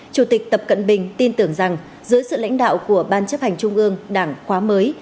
chủ tịch tập cận bình tin tưởng rằng dưới sự lãnh đạo của ban chấp hành trung ương đảng khóa mới